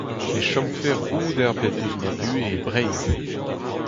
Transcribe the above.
Ne chomfe roud ebet eus ma buhez e Breizh.